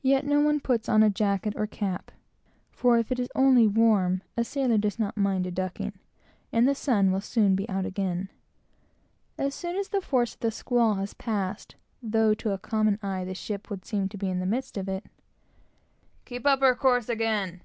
Yet no one puts on a jacket or cap; for if it is only warm, a sailor does not mind a ducking; and the sun will soon be out again. As soon as the force of the squall has passed, though to a common eye the ship would seem to be in the midst of it, "Keep her up to her course, again!"